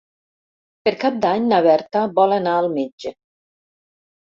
Per Cap d'Any na Berta vol anar al metge.